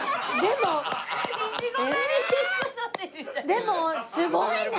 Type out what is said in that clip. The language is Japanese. でもすごいね！